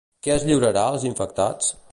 Què es lliurarà als infectats?